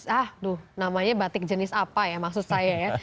aduh namanya batik jenis apa ya maksud saya ya